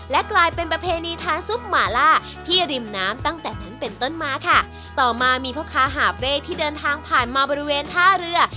และกลายเป็นประเพณีทานซุปหมาล่าที่ริมน้ำตั้งแต่นั้นเป็นต้นมาค่ะต่อมามีพ่อค้าหาบเร่ที่เดินทางผ่านมาบริเวณท่าเรือ